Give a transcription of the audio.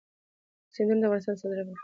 سیندونه د افغانستان د صادراتو برخه ده.